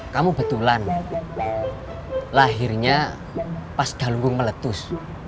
kamu betulan lahirnya pas dalung meletus